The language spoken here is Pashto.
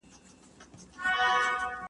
ښوونځی د ښوونکي له خوا خلاصیږي!!